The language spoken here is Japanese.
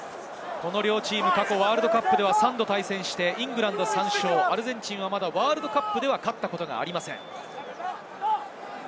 この両チーム、過去ワールドカップでは３度対戦してイングランド３勝、アルゼンチンはまだワールドカップでは勝ったことがありません。